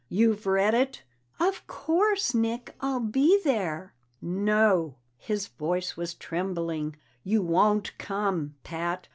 "You've read it?" "Of course, Nick! I'll be there." "No." His voice was trembling. "You won't come, Pat.